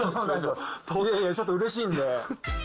いやいや、ちょっとうれしいんで。